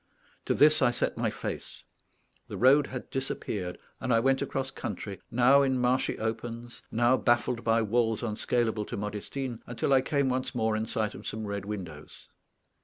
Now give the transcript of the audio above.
To this I set my face; the road had disappeared, and I went across country, now in marshy opens, now baffled by walls unscalable to Modestine, until I came once more in sight of some red windows.